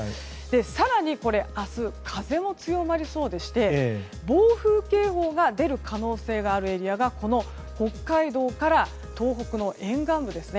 更に、明日風も強まりそうでして暴風警報が出る可能性があるエリアが北海道から東北の沿岸部ですね。